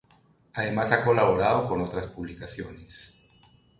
Además ha colaborado con otras publicaciones.